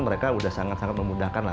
mereka sudah sangat sangat memudahkan lah